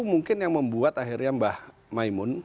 mungkin yang membuat akhirnya mbak maimun